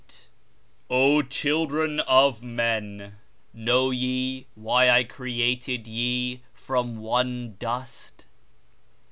[K] O Children of Men ! Know ye why I created ye from one dust?